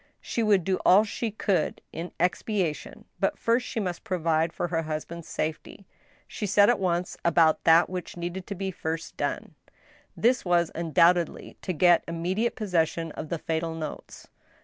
She would do all she could in expiation ; but first she must pro vide for her husband's safety. She set at once about that which needed to be first done. This was undoubtedly, to get immediate possession of the fatal notes.